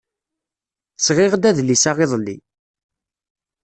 Sɣiɣ-d adlis-a iḍelli.